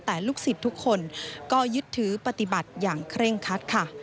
แต่ลูกศิษย์ทุกคนก็ยึดถือปฏิบัติอย่างเคร่งคัดค่ะ